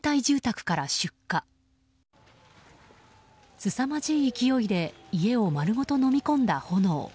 すさまじい勢いで家を丸ごとのみ込んだ炎。